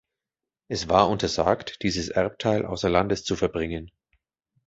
Es war untersagt, dieses Erbteil außer Landes zu verbringen.